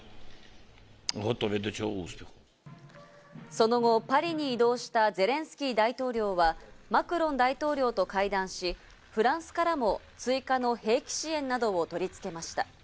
その後、パリに移動したゼレンスキー大統領はマクロン大統領と会談し、フランスからも追加の兵器支援などを取り付けました。